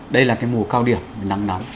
đây là cái mùa cao điểm nắng nắng